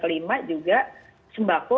kelima juga sembako